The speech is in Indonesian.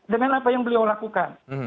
dengan apa yang beliau lakukan